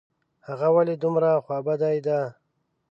هغه ولي دومره خوابدې ده ؟